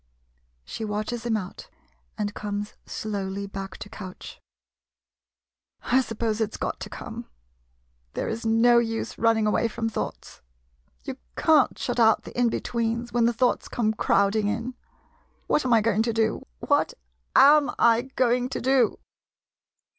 [She watches him out, and comes slowly back to couch.] I suppose it 's got to come ! There is no use running away from thoughts. You can't shut out the in betweens, when the thoughts come crowding in. ... What am I going to do? What am I going to do?